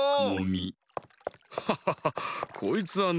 ハハハハこいつはね